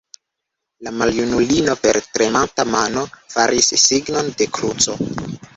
La maljunulino per tremanta mano faris signon de kruco.